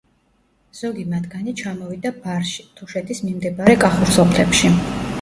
ზოგი მათგანი ჩამოვიდა ბარში, თუშეთის მიმდებარე კახურ სოფლებში.